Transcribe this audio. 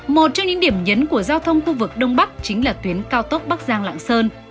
một trong những điểm nhấn của giao thông khu vực đông bắc chính là tuyến cao tốc bắc giang lạng sơn